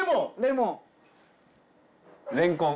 レンコン！